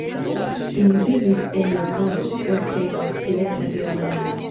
Ili vivis en Londono, poste en Okcidenta Germanio.